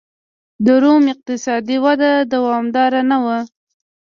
د روم اقتصادي وده دوامداره نه وه.